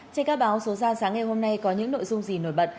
trên các báo số ra sáng ngày hôm nay có những nội dung gì nổi bật